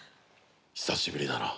久しぶりだな。